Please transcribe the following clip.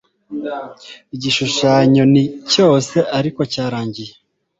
Igishushanyo ni cyose ariko cyarangiye